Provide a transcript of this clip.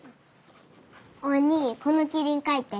おにぃこのキリン描いて。